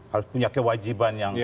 harus punya kewajiban yang